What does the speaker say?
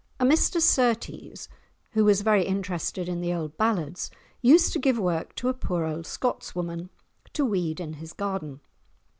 A Mr Surtees, who was very interested in the old ballads, used to give work to a poor old Scotswoman to weed in his garden.